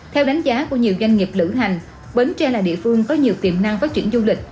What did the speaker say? theo đánh giá của nhiều doanh nghiệp lữ hành bến tre là địa phương có nhiều tiềm năng phát triển du lịch